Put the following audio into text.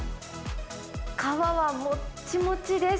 皮はもっちもちです。